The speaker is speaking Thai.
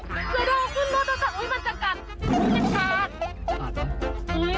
มันกะเล่นเลย